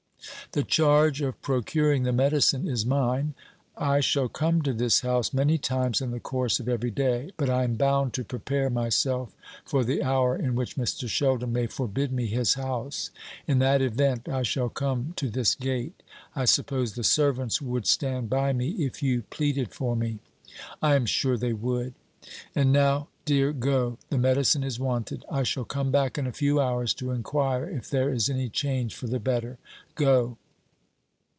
"The charge of procuring the medicine is mine. I shall come to this house many times in the course of every day; but I am bound to prepare myself for the hour in which Mr. Sheldon may forbid me his house. In that event I shall come to this gate. I suppose the servants would stand by me if you pleaded for me?" "I am sure they would." "And now, dear, go; the medicine is wanted. I shall come back in a few hours to inquire if there is any change for the better. Go."